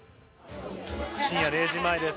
深夜０時前です。